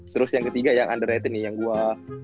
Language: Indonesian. terus yang ketiga yang underrated nih yang gua